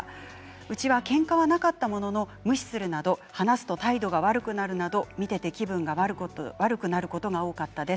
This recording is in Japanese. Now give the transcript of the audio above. うちは、けんかはなかったものの無視するなど話すと態度が悪くなるなど、見ていて気分が悪くなることが多かったです。